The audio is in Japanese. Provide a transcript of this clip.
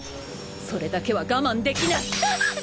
それだけは我慢できない！！